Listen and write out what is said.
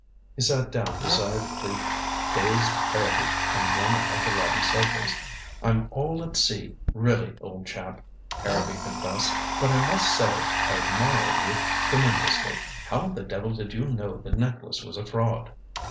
He sat down beside the dazed Harrowby on one of the lobby sofas. "I'm all at sea, really, old chap," Harrowby confessed. "But I must say I admire you tremendously. How the devil did you know the necklace was a fraud?"